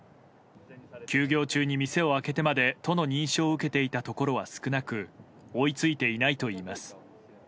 休業中に店を開けてまで都の認証を受けていたところは少なく追いついていないといいます。